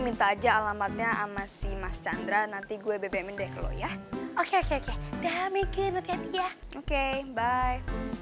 minta aja alamatnya ama si mas chandra nanti gue bbmd ke lo ya oke oke oke oke bye